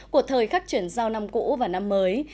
của thời khắc chuyển giao năm cũ và năm mới